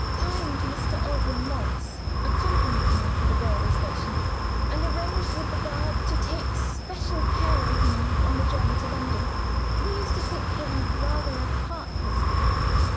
"Kind Mr. Alban Morris accompanied me to the railway station, and arranged with the guard to take special care of me on the journey to London. We used to think him rather a heartless man.